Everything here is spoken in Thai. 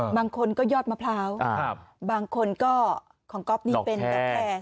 บางคนก็ยอดมะพร้าวบางคนก็ของก๊อฟนี่เป็นกาแฟ